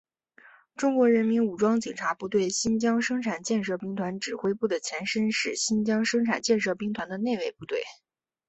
中国人民武装警察部队新疆生产建设兵团指挥部的前身是新疆生产建设兵团的内卫部队。